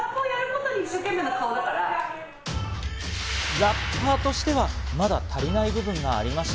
ラッパーとしては、まだ足りない部分がありました。